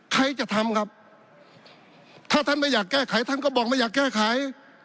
ใครจะทำครับถ้าท่านไม่อยากแก้ไขท่านก็บอกไม่อยากแก้ไข